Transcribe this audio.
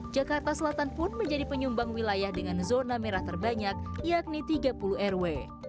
jakarta selatan pun menjadi penyumbang wilayah dengan zona merah terbanyak yakni tiga puluh rw